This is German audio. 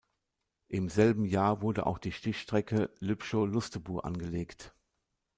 Im selben Jahr wurde auch die Stichstrecke Lübchow–Lustebuhr angelegt.